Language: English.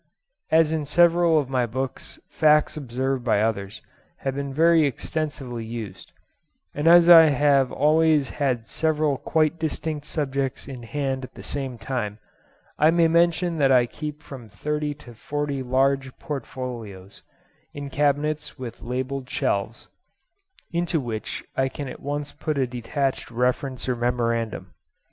As in several of my books facts observed by others have been very extensively used, and as I have always had several quite distinct subjects in hand at the same time, I may mention that I keep from thirty to forty large portfolios, in cabinets with labelled shelves, into which I can at once put a detached reference or memorandum.